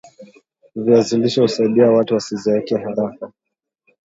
viazi lishe husaidia watu wasizeeke haraka